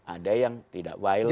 ada yang tidak violent